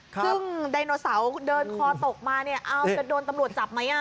ซึ่งดันโนเสาร์เดินคอตกมาจะโดนตำรวจจับไหม